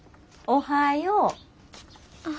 おはよう。